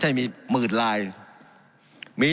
การปรับปรุงทางพื้นฐานสนามบิน